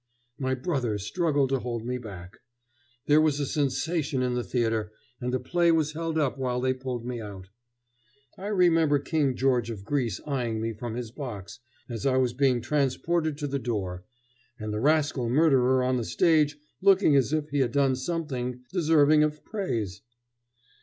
My brother struggled to hold me back. There was a sensation in the theatre, and the play was held up while they put me out. I remember King George of Greece eying me from his box as I was being transported to the door, and the rascal murderer on the stage looking as if he had done something deserving of praise.